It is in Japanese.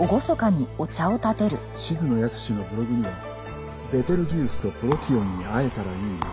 静野保志のブログには「ベテルギウスとプロキオンに会えたらいいな」